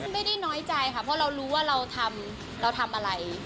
ไม่ได้น้อยใจค่ะเพราะเรารู้ว่าเราทำเราทำอะไร